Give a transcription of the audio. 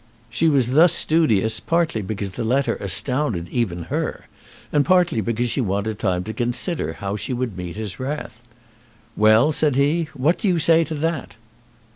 She was thus studious partly because the letter astounded even her, and partly because she wanted time to consider how she would meet his wrath. "Well," said he, "what do you say to that?"